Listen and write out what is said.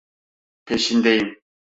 Peşindeyim.